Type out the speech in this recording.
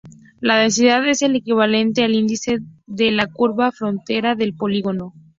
La densidad es el equivalente al índice de la "curva" frontera del polígono.